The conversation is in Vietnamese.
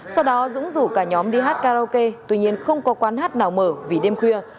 sau đó dũng rủ cả nhóm đi hát karaoke tuy nhiên không có quán hát nào mở vì đêm khuya